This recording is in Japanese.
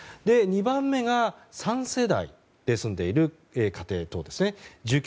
２番目が３世代で住んでいる家庭１９．９％。